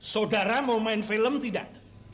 saudara mau main film tidak